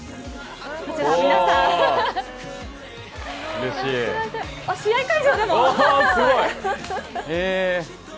こちら皆さん、試合会場でも。